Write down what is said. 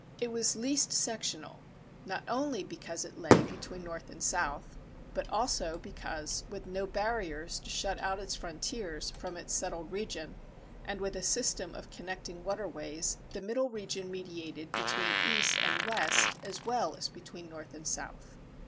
It was least sectional, not only because it lay between North and South, but also because with no barriers to shut out its frontiers from its settled region, and with a system of connecting waterways, the Middle region mediated between East and West as well as between North and South.